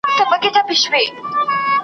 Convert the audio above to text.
نظامونه هم په دغه رنګ چلیږي .